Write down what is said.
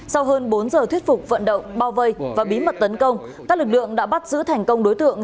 sau hơn bốn giờ thuyết phục vận động bao vây và bí mật tấn công các lực lượng đã bắt giữ thành công đối tượng